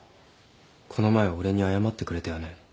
この前俺に謝ってくれたよね。